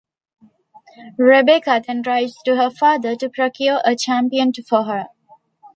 Rebecca then writes to her father to procure a champion for her.